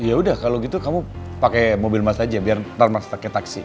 ya udah kalo gitu kamu pake mobil mas aja biar ntar mas pake taksi